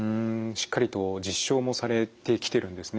しっかりと実証もされてきてるんですね。